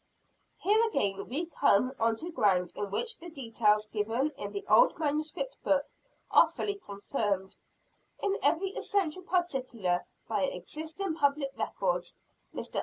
Here again we come on to ground in which the details given in the old manuscript book, are fully confirmed, in every essential particular by existing public records. Mr.